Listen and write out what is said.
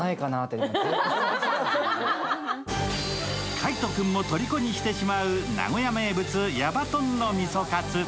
海音君もとりこにしてしまう、名古屋名物、矢場とんのみそかつ。